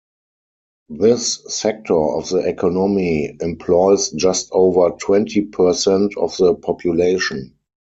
This sector of the economy employs just over twenty percent of the population.